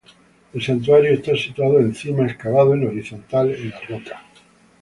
El santuario está situado encima, excavado en horizontal en la roca.